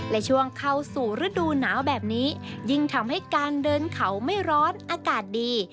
และช่วงเข้าสู่ฤดูหนาวแบบนี้ยิ่งทำให้การเดินเขาไม่ร้อนอากาศดี